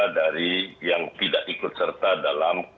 dari yang tidak ikut serta dalam